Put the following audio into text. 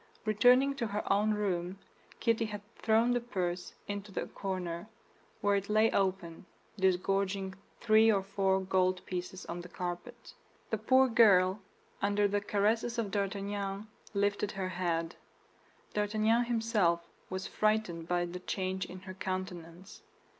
Returning to her own room, Kitty had thrown the purse into a corner, where it lay open, disgorging three or four gold pieces on the carpet. The poor girl, under the caresses of D'Artagnan, lifted her head. D'Artagnan himself was frightened by the change in her countenance.